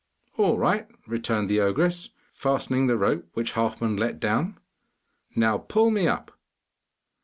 'All right,' returned the ogress, fastening the rope which Halfman let down. 'Now pull me up.